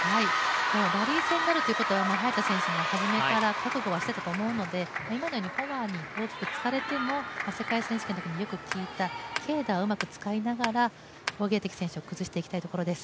ラリー戦になるということは早田選手も初めから覚悟はしていたと思うので今のようにフォアにつかれても世界選手権でよく聞いた、軽打をうまく使いながら、王ゲイ迪選手を崩していきたいところです。